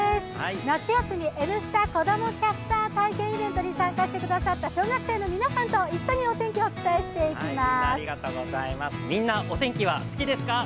夏休みＮスタ子供キャスターイベントに参加した小学生の皆さんと一緒にお天気をお伝えしていきます。